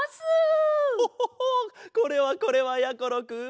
ホホホこれはこれはやころくん。